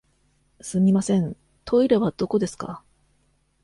すみません、トイレはどこですか。